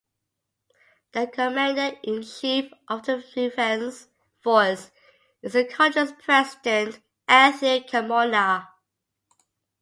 The Commander in Chief of the Defence Force is the country's President, Anthony Carmona.